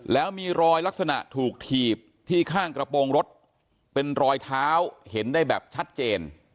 แล้วมีรอยลักษณะถูกถีบที่ข้างกระโปรงรถเป็นรอยเท้าเห็นได้แบบชัดเจน